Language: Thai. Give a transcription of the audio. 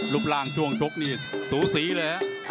รูปร่างช่วงชกนี่สูสีเลย